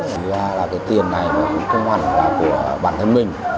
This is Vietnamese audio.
thì là cái tiền này cũng không hẳn là của bản thân mình